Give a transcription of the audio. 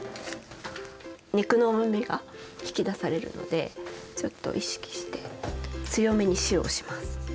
肉のうまみが引き出されるのでちょっと意識して強めに塩をします。